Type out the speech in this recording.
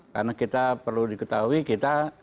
karena kita perlu diketahui kita